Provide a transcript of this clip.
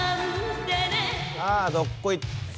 あどっこい。